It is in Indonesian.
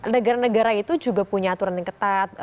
negara negara itu juga punya aturan yang ketat